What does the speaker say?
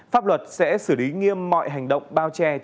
pháp luật sẽ xử lý nghiêm mọi hành động bao che chớ chấp các đối tượng